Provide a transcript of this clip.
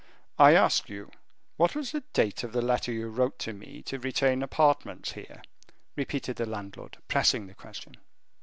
"I ask you what was the date of the letter you wrote to me to retain apartments here?" repeated the landlord, pressing the question.